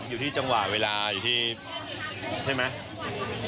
อยู่ที่จังหวะเวลาอยู่ที่ใช่ไหม